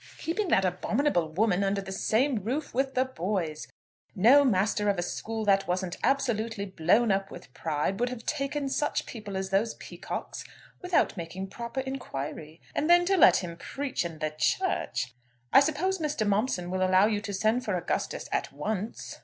Keeping that abominable woman under the same roof with the boys! No master of a school that wasn't absolutely blown up with pride, would have taken such people as those Peacockes without making proper inquiry. And then to let him preach in the church! I suppose Mr. Momson will allow you to send for Augustus at once?"